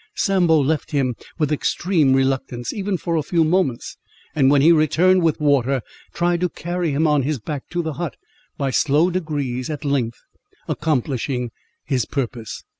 Sambo left him with extreme reluctance, even for a few moments; and when he returned with water, tried to carry him on his back to the hut; by slow degrees, at length, accomplishing his purpose.